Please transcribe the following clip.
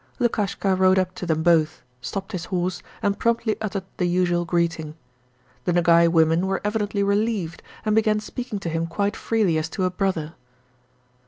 Lukashka rode up to them both, stopped his horse, and promptly uttered the usual greeting. The Nogay women were evidently relieved, and began speaking to him quite freely as to a brother.